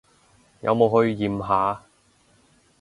有冇去驗下？